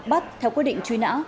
bắt theo quy định truy nã